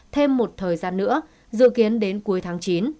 thêm một thời gian nữa dự kiến đến cuối tháng chín